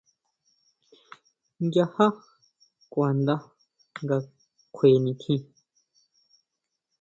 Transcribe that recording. Nchajá kuanda nga kjue nitjín.